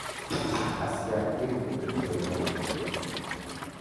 Askar dirk etib joyidan turdi.